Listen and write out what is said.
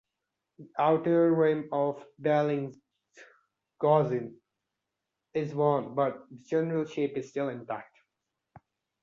The outer rim of Bellinsgauzen is worn but the general shape is still intact.